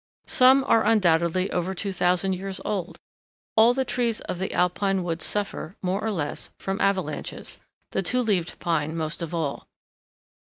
Some are undoubtedly over 2000 years old. All the trees of the alpine woods suffer, more or less, from avalanches, the Two leaved Pine most of all.